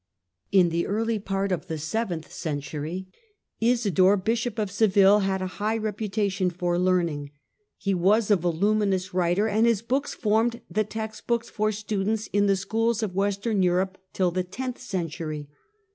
In the early part of the seventh century Isidore, Bishop of Seville, had a high reputation for learning. He was a voluminous writer, and his books formed the text books for students in the schools of Western Europe till the tenth century.